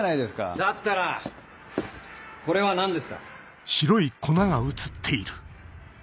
だったらこれは何ですか？